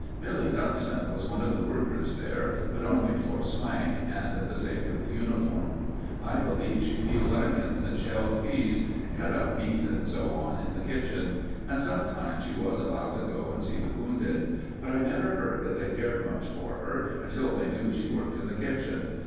Milly Dunston was one of the workers there, but only for swank and the sake of the uniform. I believe she peeled onions and shelled peas, and cut up meat and so on in the kitchen; and sometimes she was allowed to go and see the wounded; but I never heard that they cared much for her until they knew she worked in the kitchen.